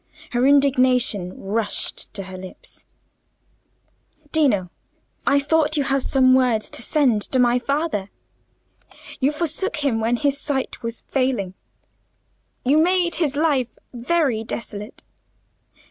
Her indignation rushed to her lips. "Dino, I thought you had some words to send to my father. You forsook him when his sight was failing; you made his life very desolate.